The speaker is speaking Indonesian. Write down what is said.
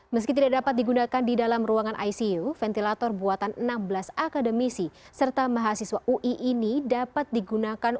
meski tidak dapat digunakan di dalam ruangan icu ventilator buatan enam belas akademisi serta mahasiswa ui ini dapat digunakan